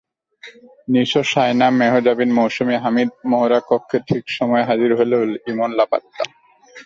নিশো, শায়না, মেহজাবিন, মৌসুমী হামিদ মহড়াকক্ষে ঠিক সময়ে হাজির হলেও ইমন লাপাত্তা।